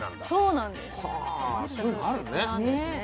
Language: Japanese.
そうなんです。